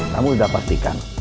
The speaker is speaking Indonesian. kamu udah pastikan